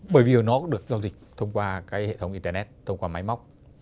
bởi vì nó được giao dịch thông qua cái hệ thống internet thông qua máy móc